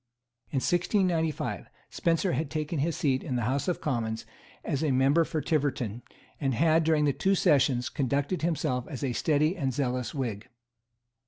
In 1695, Spencer had taken his seat in the House of Commons as member for Tiverton, and had, during two sessions, conducted himself as a steady and zealous Whig.